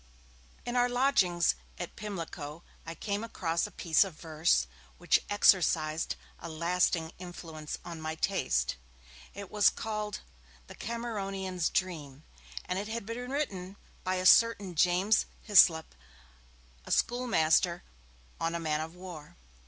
In our lodgings at Pimlico I came across a piece of verse which exercised a lasting influence on my taste. It was called 'The Cameronian's Dream', and it had been written by a certain James Hyslop, a schoolmaster on a man of war.